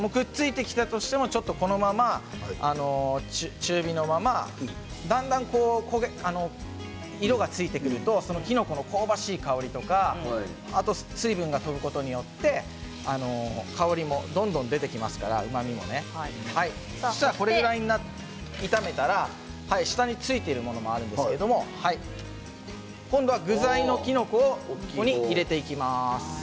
くっついてきても中火のまま色がだんだん出てくるときのこの香ばしい香りとか水分が飛ぶことによって香りもどんどん出てきますのでこのぐらい炒めたら下についているものもあるんですけれど具材のきのこを入れていきます。